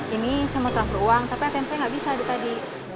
ini semua transfer uang tapi fm saya gak bisa di tadi